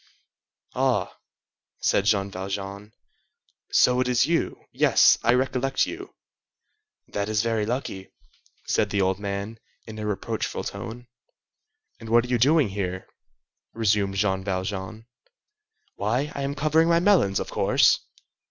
"Ah!" said Jean Valjean, "so it is you? Yes, I recollect you." "That is very lucky," said the old man, in a reproachful tone. "And what are you doing here?" resumed Jean Valjean. "Why, I am covering my melons, of course!"